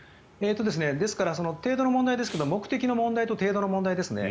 ですから程度の問題ですけど目的の問題と程度の問題ですね。